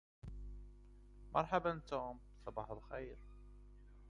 مرحباً, توم. صباح الخير.